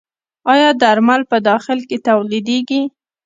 آیا درمل په داخل کې تولیدیږي؟